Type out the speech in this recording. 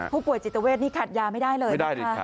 ผู้ป่วยจิตเวทนี่ขัดยาไม่ได้เลยนะคะ